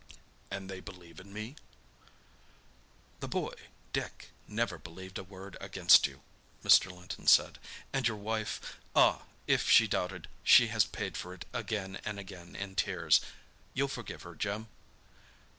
"And they believe in me?" "The boy—Dick—never believed a word against you," Mr. Linton said. "And your wife—ah, if she doubted, she has paid for it again and again in tears. You'll forgive her, Jim?"